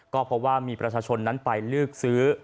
ก็เพราะว่ามีประชาชนนั้นไปเลือกซื้อ